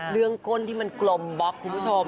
เรื่องก้นที่มันกลมบอกคุณผู้ชม